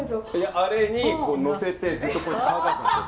あれに載せてずっとこうやって乾かすんですよ